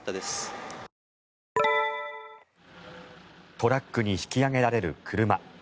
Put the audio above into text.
トラックに引き上げられる車。